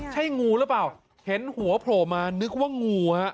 ใช่งูหรือเปล่าเห็นหัวโผล่มานึกว่างูฮะ